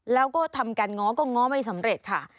แล้วก็ทำการง้อก็ง้อไม่สำเร็จค่ะ